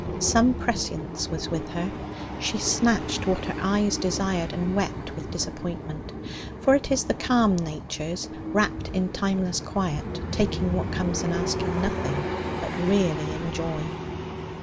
Some prescience was with her. She snatched what her eyes desired, and wept with disappointment. For it is the calm natures, wrapt in timeless quiet, taking what comes and asking nothing, that really enjoy.